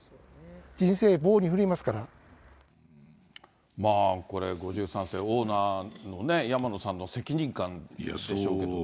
人生、まあこれ、５３世、オーナーの山野さんの責任感でしょうけどね。